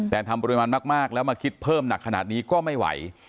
แต่ทำปริมาณมากแล้วมาคิดเพิ่มหนักขนาดนี้ก็ไม่ไหว